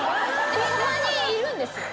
でもたまにいるんですよ。